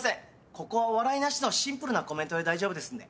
ここは笑いなしのシンプルなコメントで大丈夫ですので。